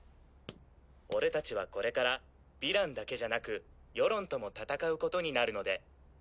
俺達はこれからヴィランだけじゃなく世論とも戦うことになるので。